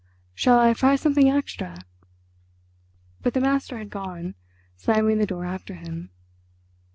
"Shall I fry something extra?" But the master had gone, slamming the door after him.